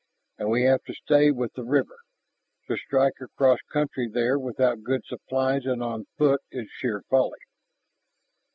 And we have to stay with the river. To strike across country there without good supplies and on foot is sheer folly."